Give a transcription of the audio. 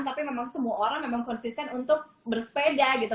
tapi memang semua orang memang konsisten untuk bersepeda gitu